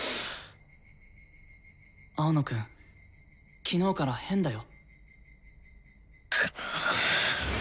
青野くん昨日から変だよ。